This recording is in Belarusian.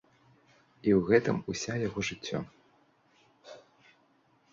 І ў гэтым уся яго жыццё.